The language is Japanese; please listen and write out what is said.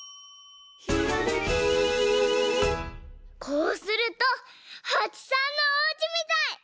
こうするとはちさんのおうちみたい！